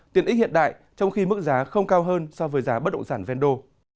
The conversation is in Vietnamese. tiện ích hiện đại trong khi mức giá không cao hơn so với giá bất động sản ven đô